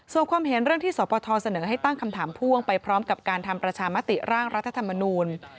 ส่วนความเห็นเรื่องที่สปทเสนอให้ตั้งคำถามพ่วงไปพร้อมกับการทำประชามติร่างรัฐธรรมนูล